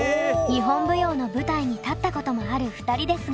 日本舞踊の舞台に立ったこともある２人ですが。